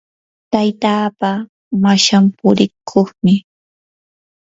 taytapaa mashan purikuqmi.